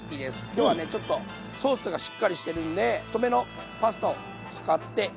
今日はねちょっとソースがしっかりしてるんで太めのパスタを使っていきたいと思います。